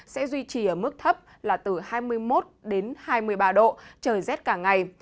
sẽ duy trì ở mức thấp là từ hai mươi một đến hai mươi ba độ trời rét cả ngày